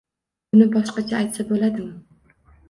Buni boshqacha aytsa bo'ladimi?